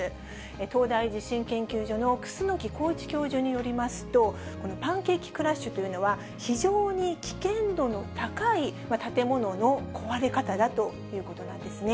東大地震研究所の楠浩一教授によりますと、パンケーキクラッシュというのは、非常に危険度の高い建物の壊れ方だということなんですね。